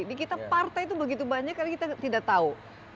jadi kita partai itu begitu banyak kita tidak tahu